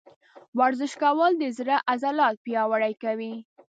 ورزش کول د زړه عضلات پیاوړي کوي.